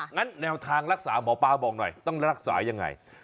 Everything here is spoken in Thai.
งั้นแนวทางรักษาหมอปลาบอกหน่อยต้องรักษายังไง